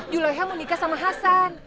juleha mau nikah sama hasan